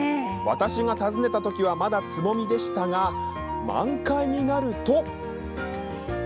私が訪ねたときはまだつぼみでしたが、満開になると。